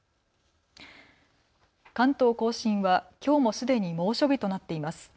関東甲信は、きょうもすでに猛暑日となっています。